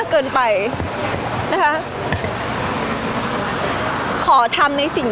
พี่ตอบได้แค่นี้จริงค่ะ